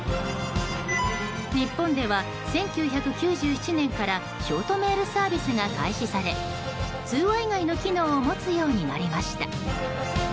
日本では１９９７年からショートメールサービスが開始され通話以外の機能を持つようになりました。